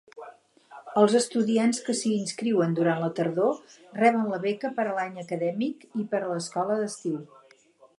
Els estudiants que s'hi inscriuen durant la tardor reben la beca per a l'any acadèmic i per a l'escola d'estiu.